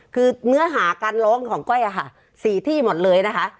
คือเนื้อหาการร้องของก้อยอะค่ะ๔ที่หมดเลยนะคะ